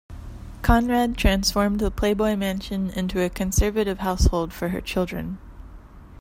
Conrad transformed the Playboy Mansion into a conservative household for her children.